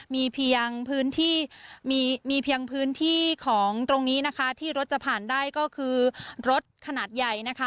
มีเพียงพื้นที่ของตรงนี้นะคะที่รถจะผ่านได้ก็คือรถขนาดใหญ่นะคะ